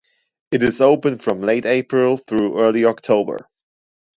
It is open from late April through early October.